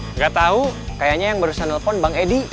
enggak tahu kayaknya yang baru saja telepon bang edi